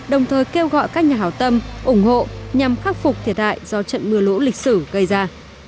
đồng thời kêu gọi các nhà hảo tâm ủng hộ nhằm khắc phục thiệt hại do trận mưa lũ lịch sử gây ra